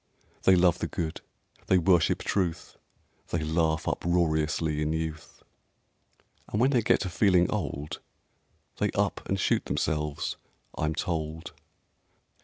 They love the Good; they worship Truth; They laugh uproariously in youth; (And when they get to feeling old, They up and shoot themselves, I'm told)...